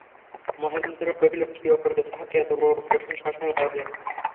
মহেন্দ্র কহিল, কী অপরাধে তাহাকে এতবড়ো কঠিন শাসনের আয়োজন।